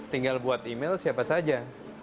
tinggal buat email siapa saja